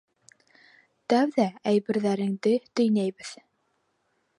Тәүҙә әйберҙәреңде төйнәйбеҙ.